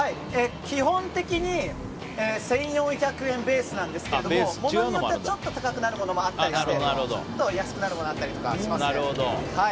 基本的に１４００円ベースなんですがものによってはちょっと高くなったりするものがあったりちょっと安くなるものもあったりします。